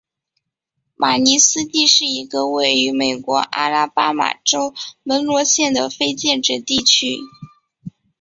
马尼斯蒂是一个位于美国阿拉巴马州门罗县的非建制地区。